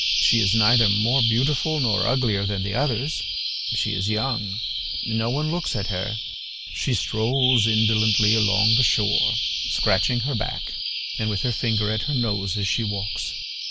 She is neither more beautiful nor uglier than the others; she is young. No one looks at her. She strolls indolently along the shore, scratching her back and with her finger at her nose as she walks.